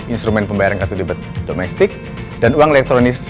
instrumen pembayaran kartu libet domestik dan uang elektronik